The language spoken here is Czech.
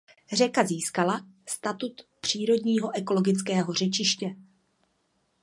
Řeka získala statut přírodního ekologického řečiště.